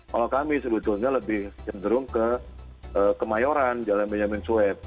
kalau kami sebetulnya lebih sendiri kemayoran jalan benjamin sweep